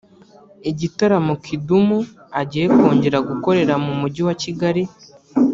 Igitaramo Kidum agiye kongera gukorera mu Mujyi wa Kigali